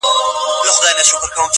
ويل گورئ دې د لاپو پهلوان ته!.